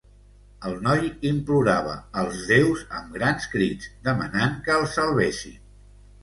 El noi implorava als déus amb grans crits, demanant que el salvessin.